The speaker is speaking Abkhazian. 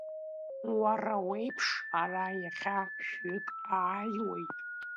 Уара уеиԥш ара иахьа шәҩык ааиуеит…